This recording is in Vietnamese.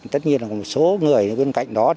tất nhiên là một số người bên cạnh đó